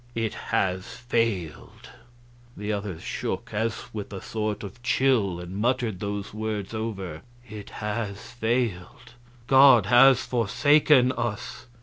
It has failed." The others shook, as with a sort of chill, and muttered those words over "It has failed." "God has forsaken us."